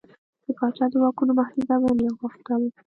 د پاچا د واکونو محدودول یې غوښتل.